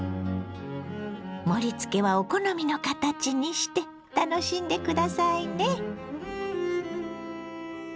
盛りつけはお好みの形にして楽しんで下さいね。